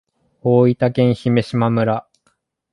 大分県姫島村